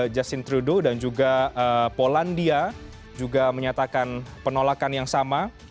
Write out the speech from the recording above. justin trudeau dan juga polandia juga menyatakan penolakan yang sama